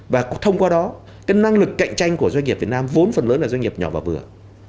và thông qua đó năng lực cạnh tranh của doanh nghiệp việt nam vốn phần lớn là doanh nghiệp nhỏ và vừa